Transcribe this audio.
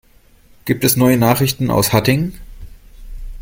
Gibt es neue Nachrichten aus Hattingen?